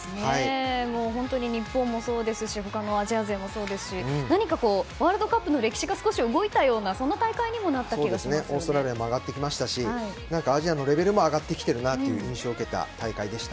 本当に日本もそうですし他のアジア勢もそうですし何かワールドカップの歴史が少し動いたようなオーストラリアも上がってきましたしアジアのレベルも上がってきているなという印象を受けた大会でした。